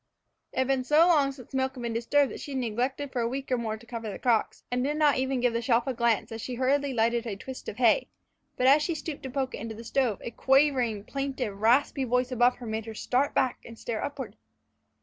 It had been so long since the milk had been disturbed that she had neglected for a week or more to cover the crocks, and did not even give the shelf a glance as she hurriedly lighted a twist of hay; but as she stooped to poke it into the stove, a quavering, plaintive, raspy voice above her made her start back and stare upward.